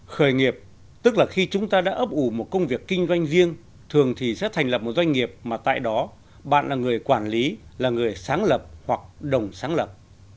khởi nghiệp tức là khi chúng ta đã ấp ủ một công việc kinh doanh riêng thường thì sẽ thành lập một doanh nghiệp mà tại đó bạn là người quản lý là người sáng lập hoặc đồng sáng lập